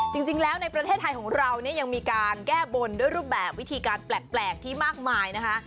จริงแล้วในประเทศไทยของเราเนี่ยยังมีการแก้บนด้วยรูปแบบวิธีการแปลกที่มากมายนะคะ